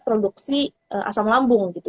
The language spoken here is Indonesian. produksi asam lambung gitu